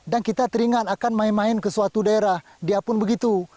dan kita teringat akan main main ke suatu daerah dia pun begitu